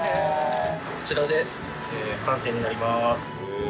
こちらで完成になります。